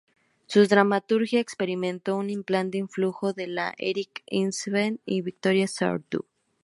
Su dramaturgia experimentó un importante influjo de la de Henrik Ibsen y Victorien Sardou.